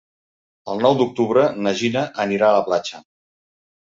El nou d'octubre na Gina anirà a la platja.